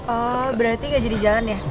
oh berarti gak jadi jalan ya